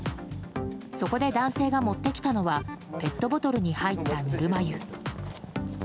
そこで男性が持ってきたのはペットボトルに入ったぬるま湯。